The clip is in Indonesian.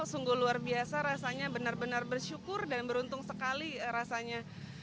sungguh luar biasa rasanya benar benar bersyukur dan beruntung sekali rasanya